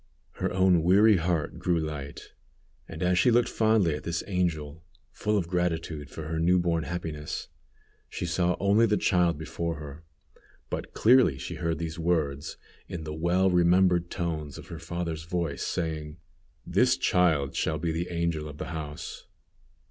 Her own weary heart grew light, and as she looked fondly at this angel, full of gratitude for her new born happiness, she saw only the child before her, but clearly she heard these words, in the well remembered tones of her father's voice, saying: "This child shall be the angel of the house."